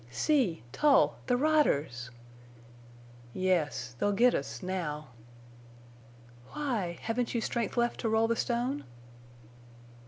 "See! Tull! The riders!" "Yes—they'll get us—now." "Why? Haven't you strength left to roll the stone?"